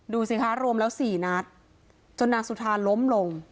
ดูสิคะรวมแล้ว๔นัดจนนางสุธาล้มลง